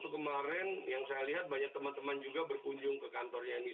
terutama kami bisa selalu diperlukan untuk mengunikat itu perizinan yang berkaitan dengan bapepti